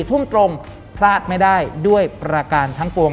ทุ่มตรงพลาดไม่ได้ด้วยประการทั้งปวง